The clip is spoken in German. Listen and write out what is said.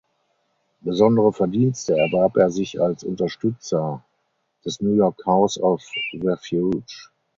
Besondere Verdienste erwarb er sich als Unterstützer des New York House of Refuge.